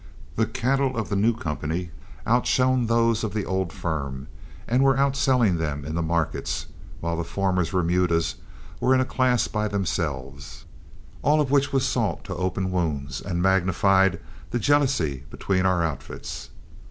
The cattle of the new company outshone those of the old firm, and were outselling them in the markets, while the former's remudas were in a class by themselves, all of which was salt to open wounds and magnified the jealousy between our own outfits.